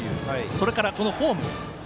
それから、フォーム。